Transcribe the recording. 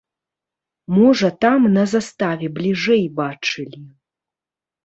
Можа там на заставе бліжэй бачылі.